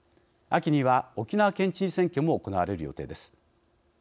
秋には、沖縄県知事選挙も行われる予定です。